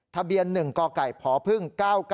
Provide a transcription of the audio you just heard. ทะเบียน๑กไก่พพ๙๙